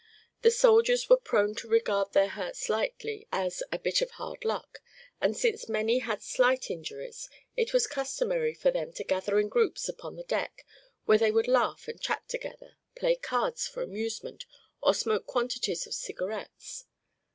The soldiers were prone to regard their hurts lightly, as "a bit of hard luck," and since many had slight injuries it was customary for them to gather in groups upon the deck, where they would laugh and chat together, play cards for amusement or smoke quantities of cigarettes.